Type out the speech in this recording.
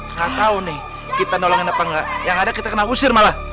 gak tau nih kita nolongin apa enggak yang ada kita kena usir malah